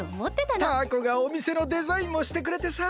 タアコがおみせのデザインもしてくれてさ。